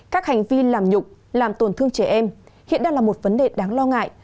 các hành vi làm nhục làm tổn thương trẻ em hiện đang là một vấn đề đáng lo ngại